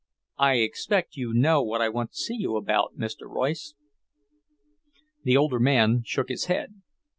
"I expect you know what I want to see you about, Mr. Royce?" The older man shook his head.